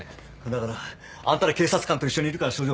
だからあんたら警察官と一緒にいるから症状が出た。